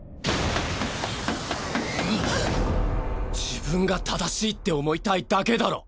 自分が正しいって思いたいだけだろ。